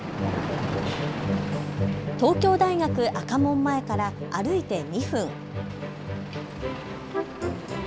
東京大学赤門前から歩いて２分。